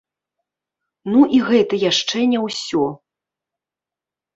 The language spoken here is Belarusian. Ну і гэта яшчэ не ўсё.